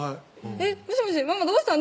「えっもしもしママどうしたん？」